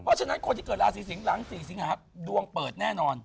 เพราะฉะนั้นคนที่เกิดราศีสิงศ์หลัง๔สิงหาดวงเปิดแน่นอน